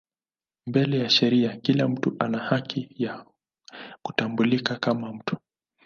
Mbele ya sheria kila mtu ana haki ya kutambulika kama mtu.